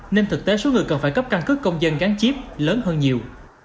nên thực tế số người cần phải cấp căn cứ công dân gắn chiếp lớn hơn nhiều